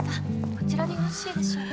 こちらでよろしいでしょうか